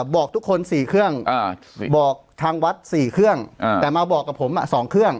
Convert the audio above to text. บอกทุกคน๔เครื่องบอกทางวัด๔เครื่องแต่มาบอกกับผม๒เครื่อง